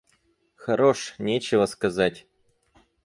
Хорош, нечего сказать!